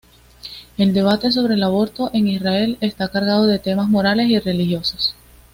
El debate sobre el aborto en Israel está cargado de temas morales y religiosos.